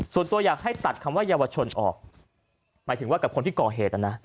ส่วนตัวอยากให้ตัดคำว่าเยาวชนออกหมายถึงว่ากับคนที่ก่อเหตุนะนะ